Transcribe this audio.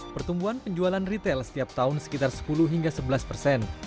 pertumbuhan penjualan retail setiap tahun sekitar sepuluh hingga sebelas persen